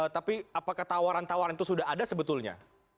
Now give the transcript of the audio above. tapi apakah tawaran tawaran itu sudah ada sebetulnya